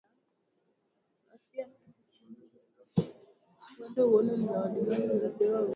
jambo linalopingwa vikali na viongozi wa huko